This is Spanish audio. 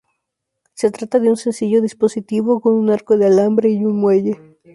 Se trata de un sencillo dispositivo con un arco de alambre y un muelle.